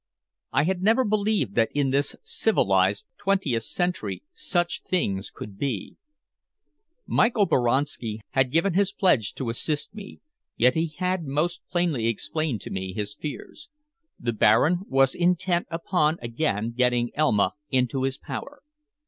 I had never believed that in this civilized twentieth century such things could be. Michael Boranski had given his pledge to assist me, yet he had most plainly explained to me his fears. The Baron was intent upon again getting Elma into his power.